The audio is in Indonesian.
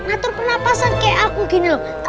atur pernafasan kayak aku gini loh